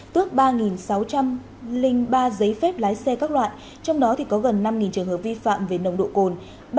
tước ba sáu trăm linh ba giấy phép lái xe các loại trong đó có gần năm trường hợp vi phạm về nồng độ cồn